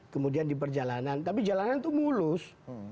kemudian di perjalanan tapi jalanan itu mulus